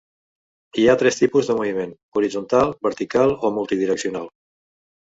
Hi ha tres tipus de moviment: horitzontal, vertical o multidireccional.